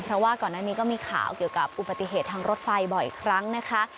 เพราะว่าก่อนหน้านี้ก็มีข่าวเกี่ยวกับอุบัติเหตุทางรถไฟบ่อยครั้งนะคะ